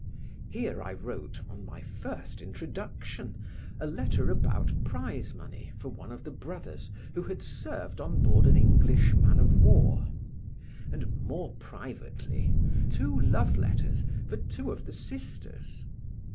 Here I wrote, on my first introduction, a letter about prize money, for one of the brothers, who had served on board an English man of war; and, more privately, two love letters for two of the sisters.